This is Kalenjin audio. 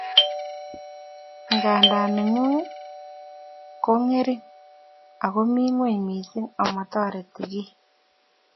Nganda nengung ko ngering ako mi ngweny missing amotoreti kiy